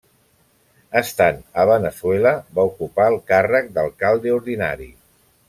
Estant a Veneçuela va ocupar el càrrec d'alcalde ordinari.